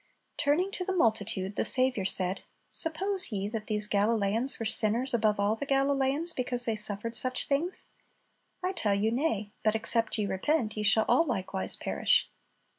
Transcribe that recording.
Turning to the multitude, the Saviour said, "Suppose ye that these Galileans were sinners above all the Galileans, because they suffered such things? I tell you, Nay; but, except ye repent, ye shall all likewise perish."